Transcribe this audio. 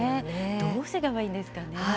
どうすればいいんですかね。